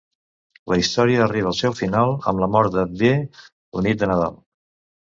La història arriba al seu final amb la mort de D la nit de Nadal.